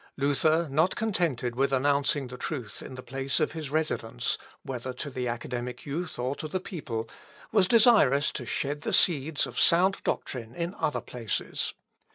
Luther, not contented with announcing the truth in the place of his residence, whether to the academic youth or to the people, was desirous to shed the seeds of sound doctrine in other places.